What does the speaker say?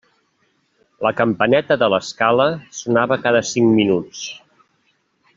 La campaneta de l'escala sonava cada cinc minuts.